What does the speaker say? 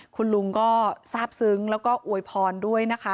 คุณลุงก็ทราบซึ้งแล้วก็อวยพรด้วยนะคะ